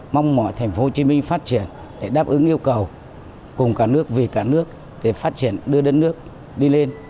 mong mọi thành phố hồ chí minh phát triển để đáp ứng yêu cầu cùng cả nước vì cả nước để phát triển đưa đất nước đi lên